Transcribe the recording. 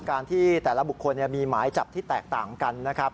การที่แต่ละบุคคลมีหมายจับที่แตกต่างกันนะครับ